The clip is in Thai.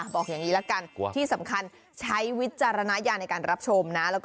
บอกอย่างนี้ละกันที่สำคัญใช้วิจารณญาณในการรับชมนะ